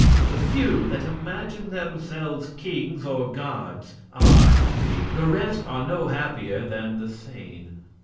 The few that imagine themselves kings or gods are happy, the rest are no happier than the sane.